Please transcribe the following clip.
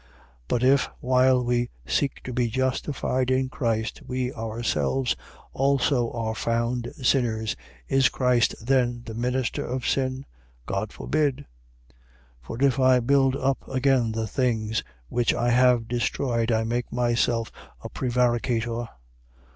2:17. But if, while we seek to be justified in Christ, we ourselves also are found sinners, is Christ then the minister of sin? God forbid! 2:18. For if I build up again the things which I have destroyed, I make myself a prevaricator.